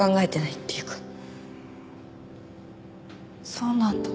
そうなんだ。